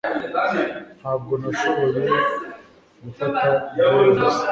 ntabwo nashoboye gufata ibyo yavuze